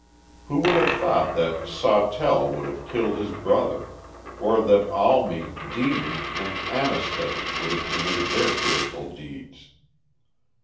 Who would have thought that Sawtell would have killed his brother, or that Almy, Deeming and Anastay would have committed their fearful deeds